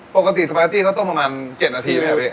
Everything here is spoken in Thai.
ปกติสปาเก็ตติต้องต้มประมาณ๗นาทีมั้ยครับ